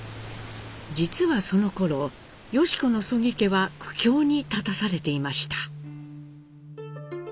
実はそのころ良子の曽木家は苦境に立たされていました。